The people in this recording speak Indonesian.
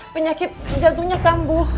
penyakit jatuhnya kambuh